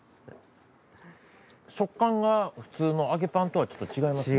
食感が普通の揚げパンとはちょっと違いますね。